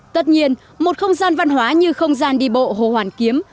tất nhiên một không gian văn hóa như không gian đi bộ hồ hoàn kiếm